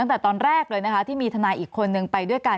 ตั้งแต่ตอนแรกเลยนะคะที่มีทนายอีกคนนึงไปด้วยกัน